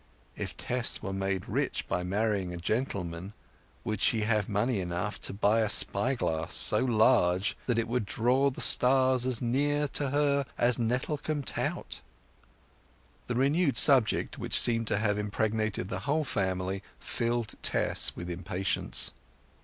If Tess were made rich by marrying a gentleman, would she have money enough to buy a spyglass so large that it would draw the stars as near to her as Nettlecombe Tout? The renewed subject, which seemed to have impregnated the whole family, filled Tess with impatience.